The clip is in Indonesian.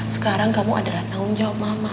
sekarang kamu adalah tanggung jawab mama